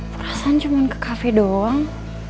perasaan cuma ke cafe doang